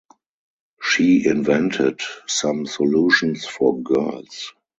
She invented some solutions for girls.